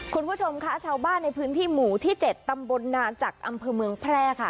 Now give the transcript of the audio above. คุณผู้ชมค่ะชาวบ้านในพื้นที่หมู่ที่๗ตำบลนาจักรอำเภอเมืองแพร่ค่ะ